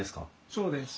そうです。